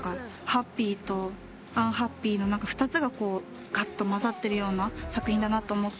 ハッピーとアンハッピーの２つががっとまざってるような作品だなと思って。